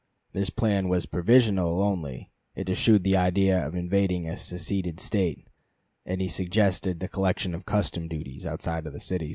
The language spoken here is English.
This plan was provisional only; it eschewed the idea of invading a seceded State; and he suggested the collection of customs duties, outside of the cities.